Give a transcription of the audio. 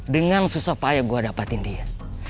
dengan susah payah gue dapetin dia